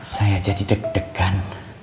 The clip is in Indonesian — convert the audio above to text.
saya jadi deg degan